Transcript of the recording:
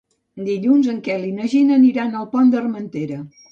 Dilluns en Quel i na Gina aniran al Pont d'Armentera.